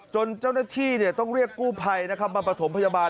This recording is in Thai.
จนเจ้าหน้าที่เนี่ยต้องเรียกกู้ไภมาประถมพยาบาล